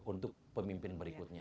untuk pemimpin berikutnya